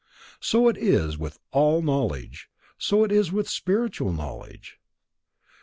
So is it with all knowledge. So is it with spiritual knowledge.